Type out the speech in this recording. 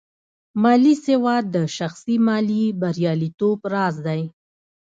مالي سواد د شخصي مالي بریالیتوب راز دی.